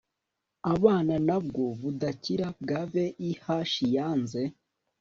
abana nabwo budakira bwa vih yanze